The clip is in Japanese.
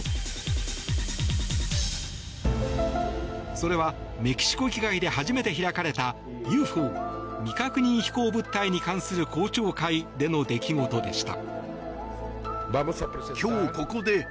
それは、メキシコ議会で初めて開かれたＵＦＯ・未確認飛行物体に関する公聴会での出来事でした。